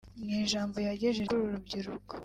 Mu ijambo yagejeje kuri uru rubyiruko